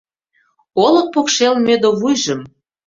Олык покшел мӧдывуйжым